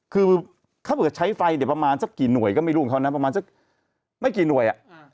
คือเขาเกิดใช้ไฟประมาณสักกี่หน่วยก็ไม่รู้เท่านั้นประมาณสักไม่กี่หน่วย